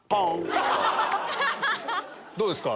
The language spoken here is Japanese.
どうですか？